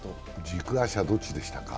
軸足はどっちでしたか？